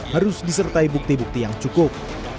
harus disertai bukti bukti yang cukup